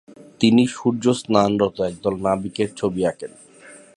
তিনি সূর্যস্নানরত একদল নাবিকের ছবি আঁকেন।